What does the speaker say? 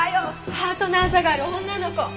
ハートのあざがある女の子。